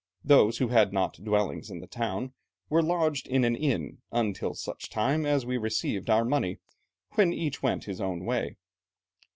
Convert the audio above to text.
Those who had not dwellings in the town, were lodged in an inn until such time as we had received our money, when each went his own way.